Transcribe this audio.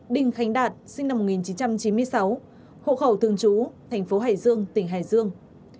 đình khánh đạt sinh năm một nghìn chín trăm chín mươi sáu hộ khẩu thường chú tp hải dương tỉnh hải dương